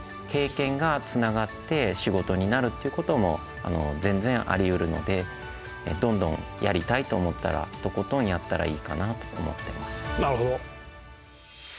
経験がつながって仕事になるっていうことも全然ありうるのでどんどんやりたいと思ったらとことんやったらいいかなと思ってます。